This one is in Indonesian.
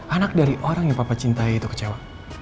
anak dari orang yang papa cintai itu kecewa